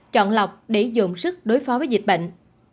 chọn lọc để dồn sức đối phó với dịch bệnh